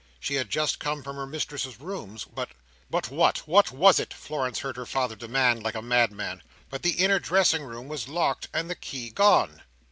She had just come from her mistress's rooms, but— "But what! what was it?" Florence heard her father demand like a madman. "But the inner dressing room was locked and the key gone."